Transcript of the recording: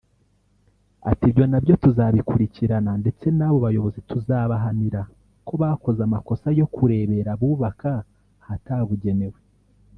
Ati “Ibyo nabyo turabikurikirana ndetse n’abo bayobozi tuzabahanira ko bakoze amakosa yo kurebera abubaka ahatabugenewe